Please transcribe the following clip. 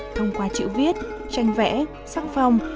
thông qua chữ viết tranh vẽ sóc phong